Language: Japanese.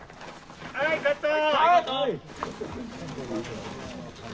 ・はいカット！